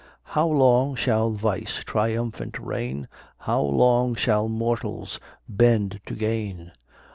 How long shall vice triumphant reign? How long shall mortals bend to gain?